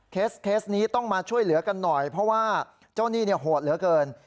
เคสนี้ต้องมาช่วยเหลือกันหน่อยเพราะว่าเจ้าหนี้เนี่ยโหดเหลือเกิน